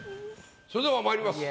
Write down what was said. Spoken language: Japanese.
それではまいります。